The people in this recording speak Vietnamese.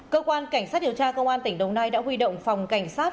cơ quan cảnh sát điều tra công an tỉnh đồng nai đã huy động phòng cảnh sát